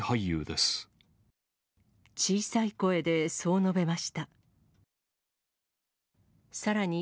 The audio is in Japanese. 小さい声でそう述べました。